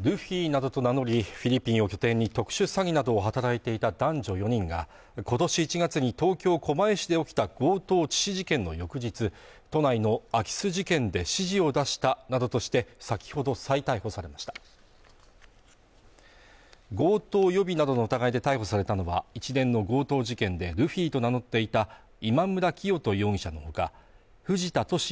ルフィなどと名乗りフィリピンを拠点に特殊詐欺などを働いていた男女４人が今年１月に東京・狛江市で起きた強盗致死事件の翌日都内の空き巣事件で指示を出したなどとして先ほど再逮捕されました強盗予備などの疑いで逮捕されたのは一連の強盗事件でルフィと名乗っていた今村磨人容疑者のほか藤田聖也